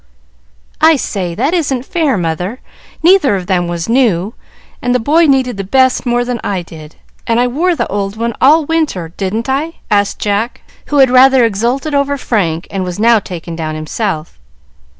"I say, that isn't fair, mother! Neither of them was new, and the boy needed the best more than I did, and I wore the old one all winter, didn't I?" asked Jack, who had rather exulted over Frank, and was now taken down himself.